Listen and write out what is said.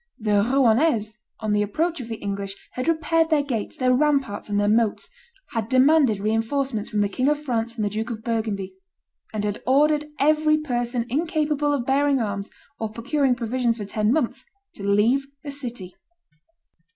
The Rouennese, on the approach of the English, had repaired their gates, their ramparts, and their moats; had demanded re enforcements from the King of France and the Duke of Burgundy; and had ordered every person incapable of bearing arms or procuring provisions for ten months, to leave the city.